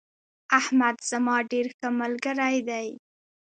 احمد زما ډیر ښه ملگرى دي